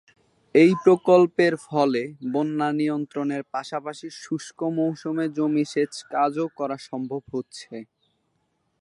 এই প্রকল্পের ফলে বন্যা নিয়ন্ত্রণের পাশাপাশি শুষ্ক মৌসুমে জমিতে সেচ কাজও করা সম্ভব হচ্ছে।